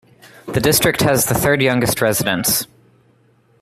The district has the third youngest residents.